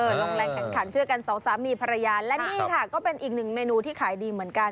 ลงแรงแข่งขันเชื่อกันสองสามีภรรยาและนี่ค่ะก็เป็นอีกหนึ่งเมนูที่ขายดีเหมือนกัน